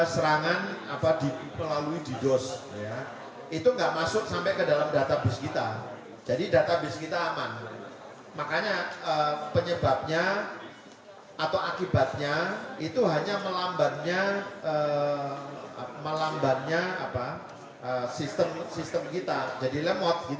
sehingga melambatnya sistem kita jadi lemot